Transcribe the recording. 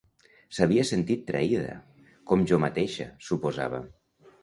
S'havia sentit traïda, com jo mateixa, suposava.